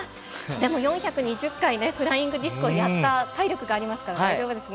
でも４２０回、フライングディスクをやった体力がありますから、大丈夫ですね。